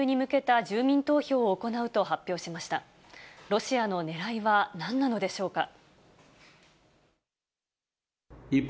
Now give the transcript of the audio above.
ロシアのねらいは何なのでしょうか。